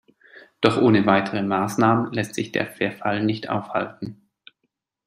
Doch ohne weitere Maßnahmen lässt sich der Verfall nicht aufhalten.